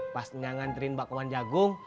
pas nyangan terin bakwan jagung